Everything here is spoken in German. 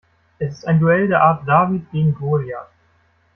Es ist ein Duell der Art David gegen Goliath.